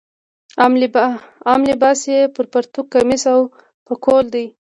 عام لباس یې پرتوګ کمیس او پکول دی.